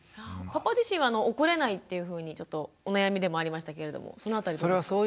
パパ自身は怒れないっていうふうにお悩みでもありましたけれどもその辺りどうですか？